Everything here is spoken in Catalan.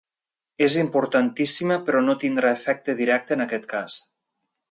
És importantíssima però no tindrà efecte directe, en aquest cas.